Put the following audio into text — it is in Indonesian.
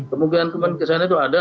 kemungkinan kesannya itu ada